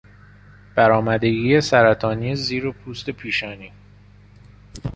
برآمدگی سرطانی زیر پوست پیشانی